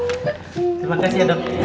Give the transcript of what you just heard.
terima kasih ya dok